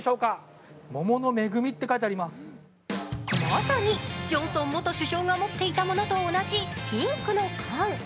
まさにジョンソン元首相が持っていたものと同じピンクの缶。